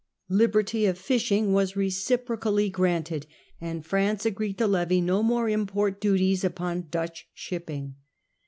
Liberty of fishing was reciprocally granted, and France agreed to levy no more import duties upon Dutch shipping.